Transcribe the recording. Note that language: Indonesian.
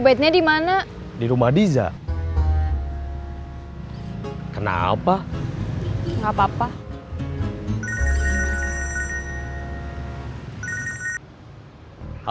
di rumah diza saya di tempat biasa kamu jualan ya udah kalau kamu lagi enggak jualan mah oke